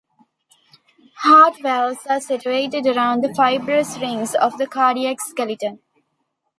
Heart valves are situated around the fibrous rings of the cardiac skeleton.